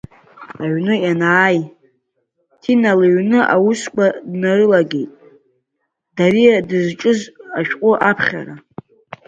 Аҩны ианааи, Ҭина лыҩн усқәа днарылагеит, Дариа дызҿыз ашәҟәы аԥхьара.